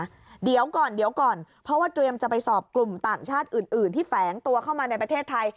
เดี๋ยวก่อนเดี๋ยวก่อนเพราะว่าเตรียมจะไปสอบกลุ่มต่างชาติอื่นที่แฝงตัวเข้ามาในประเทศไทย